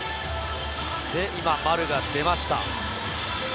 今、丸が出ました。